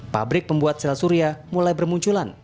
pabrik pembuat sel surya mulai bermunculan